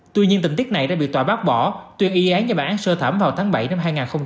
tuy nhiên tình tiết này đã bị tòa bác bỏ tuyên y án cho bản án sơ thẩm vào tháng bảy năm hai nghìn hai mươi ba